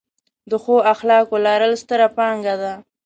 د ښو اخلاقو لرل، ستره پانګه ده.